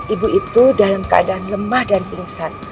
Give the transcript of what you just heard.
ibu itu dalam keadaan lemah dan pingsan